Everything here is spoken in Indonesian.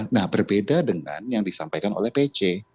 nah berbeda dengan yang disampaikan oleh pc